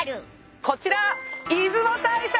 こちら。